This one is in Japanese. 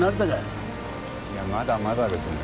いやまだまだですね。